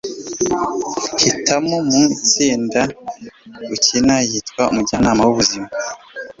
hitamo mu itsinda ukina yitwa umujyanama w'ubuzima